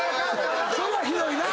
それはひどいな。